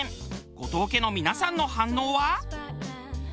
後藤家の皆さんの反応は？